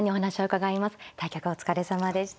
対局お疲れさまでした。